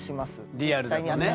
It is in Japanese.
リアルだとね。